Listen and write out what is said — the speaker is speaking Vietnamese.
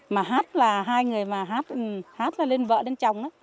mà hát là hai người mà hát là lên vợ lên chồng